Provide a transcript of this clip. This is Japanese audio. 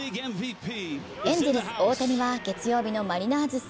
エンゼルス・大谷は月曜日のマリナーズ戦。